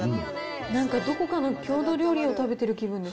どこかの郷土料理を食べてる気分です。